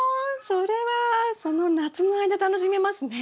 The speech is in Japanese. それはその夏の間楽しめますね。